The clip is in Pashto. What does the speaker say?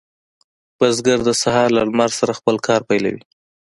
بزګر د سهار له لمر سره خپل کار پیلوي.